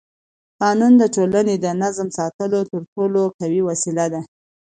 قانون د ټولنې د نظم ساتلو تر ټولو قوي وسیله ده